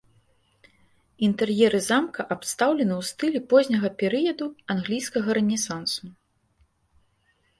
Інтэр'еры замка абстаўлены ў стылі позняга перыяду англійскага рэнесансу.